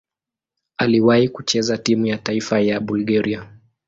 Aliwahi kucheza timu ya taifa ya Bulgaria.